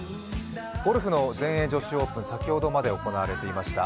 ゴルフの全英女子オープン、先ほどまで行われていました。